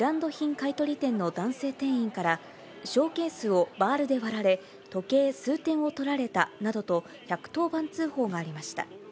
買い取り店の男性店員から、ショーケースをバールで割られ、時計数点をとられたなどと、１１０番通報がありました。